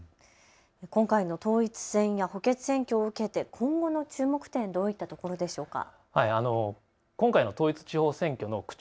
今回の統一選や補欠選挙を受けて今後の注目点どういったところでしょうか。